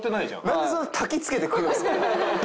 何でそんなたきつけてくるんすか？